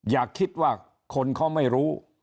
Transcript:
อย่าคิดว่าคนเขาไม่รู้